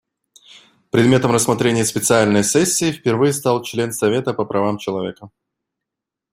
Предметом рассмотрения специальной сессии впервые стал член Совета по правам человека.